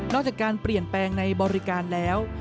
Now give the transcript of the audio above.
จากการเปลี่ยนแปลงในบริการแล้ว